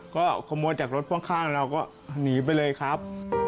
ก็ขโมยจากรถพ่วงข้างเราก็หนีไปเลยครับ